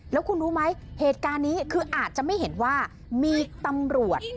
แล้วคุณรู้ไหมเหตุการณ์นี้คืออาจจะไม่เห็นว่ามีตำรวจ